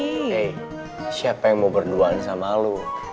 hey siapa yang mau berduaan sama lo